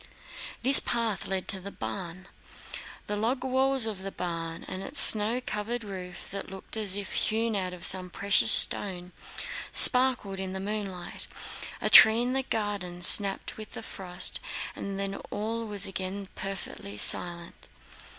This path led to the barn. The log walls of the barn and its snow covered roof, that looked as if hewn out of some precious stone, sparkled in the moonlight. A tree in the garden snapped with the frost, and then all was again perfectly silent.